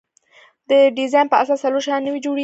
د ډیزاین په اساس څلور شیان نوي جوړیږي.